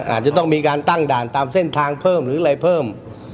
อาจจะต้องมีการตั้งด่านตามเส้นทางเพิ่มหรืออะไรเพิ่ม